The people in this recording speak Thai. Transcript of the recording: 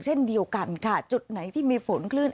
เช่นเดียวกันค่ะจุดไหนที่มีฝนคลื่น